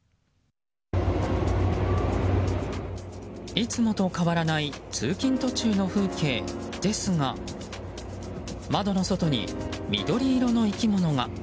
いつもと変わらない通勤途中の風景ですが窓の外に緑色の生き物が。